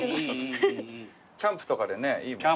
キャンプとかでいいもんね。